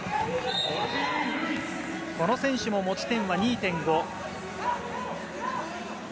この選手も持ち点は２．５。